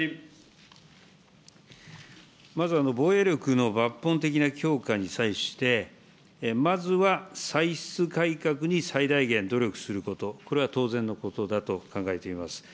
まず、防衛力の抜本的な強化に際して、まずは歳出改革に最大限努力すること、これは当然のことだと考えています。